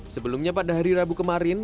sebelumnya pada hari rabu kemarin